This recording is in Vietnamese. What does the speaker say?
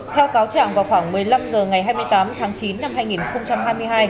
theo cáo trạng vào khoảng một mươi năm h ngày hai mươi tám tháng chín năm hai nghìn hai mươi hai